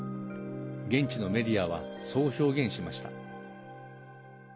現地のメディアはそう表現しました。